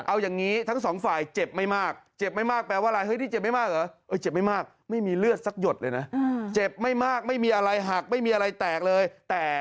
ตกลงกันไม่ได้ตกลงกันอะไรฮะเจ็บไหมล่ะ